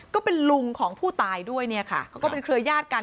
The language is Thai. ก็เป็นลุงของผู้ตายด้วยเนี่ยค่ะเขาก็เป็นเครือญาติกัน